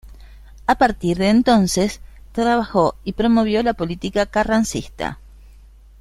A partir de entonces, trabajó y promovió la política carrancista.